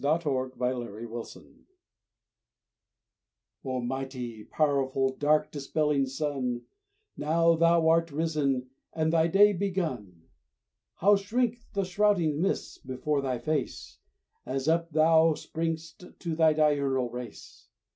PRAYER AT SUNRISE O mighty, powerful, dark dispelling sun, Now thou art risen, and thy day begun. How shrink the shrouding mists before thy face, As up thou spring'st to thy diurnal race!